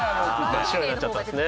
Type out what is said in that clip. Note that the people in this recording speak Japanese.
真っ白になっちゃったんですね。